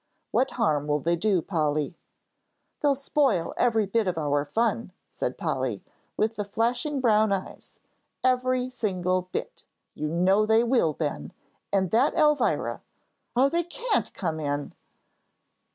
"What harm will they do, Polly?" "They'll spoil every bit of our fun," said Polly, with flashing brown eyes "every single bit; you know they will, Ben, and that Elvira oh, they can't come in!"